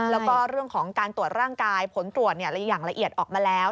แล้วก็เรื่องของการตรวจร่างกายผลตรวจอย่างละเอียดออกมาแล้ว